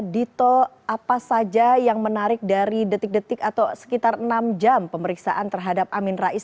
dito apa saja yang menarik dari detik detik atau sekitar enam jam pemeriksaan terhadap amin rais